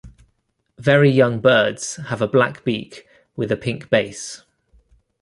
Very young birds have a black beak with a pink base.